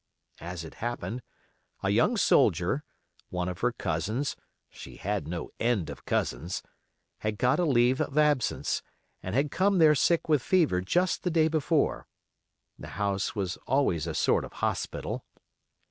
As it happened, a young soldier, one of her cousins (she had no end of cousins), had got a leave of absence, and had come there sick with fever just the day before (the house was always a sort of hospital).